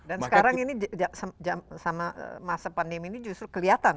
dan sekarang ini sama masa pandemi ini justru kelihatan